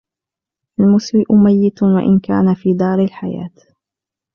الْمُسِيءُ مَيِّتٌ وَإِنْ كَانَ فِي دَارِ الْحَيَاةِ